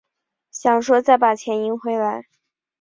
想说再把钱赢回来